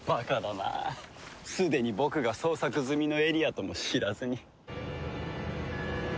すでに僕が捜索済みのエリアとも知らずに。